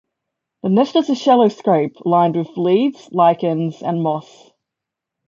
The nest is a shallow scrape lined with leaves, lichens and moss.